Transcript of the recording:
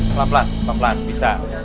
pelan pelan pelan bisa